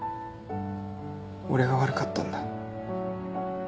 俺が悪かったんだ。